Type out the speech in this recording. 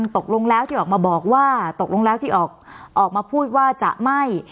ตกลงแล้วที่ออกมาบอกว่าตกลงแล้วที่ออกมาพูดว่าจะไม่